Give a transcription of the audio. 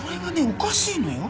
おかしいのよ。